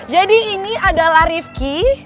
jadi ini adalah rifki